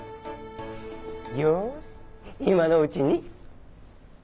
よしいまのうちに。